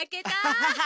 アハハハ！